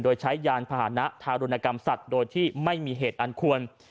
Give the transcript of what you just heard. โดยใช้ยานพาหนะทารุณกรรมสัตว์โดยที่ไม่มีเหตุอันควร